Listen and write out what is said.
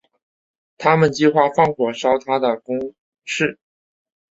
他们计划放火烧他的宫室。